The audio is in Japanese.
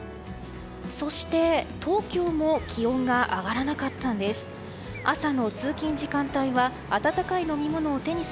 そして、東京も気温が上がらなかったんです。